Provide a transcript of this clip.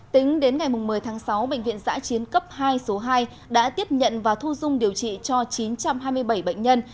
tính đến ngày một mươi tháng sáu bệnh viện giã chiến cấp hai số hai đã tiếp nhận và thu dung điều trị cho chín trăm hai mươi bảy bệnh nhân